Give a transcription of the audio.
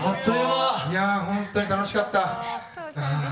いや本当に楽しかった！